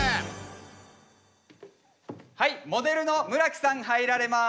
はいモデルの村木さん入られます！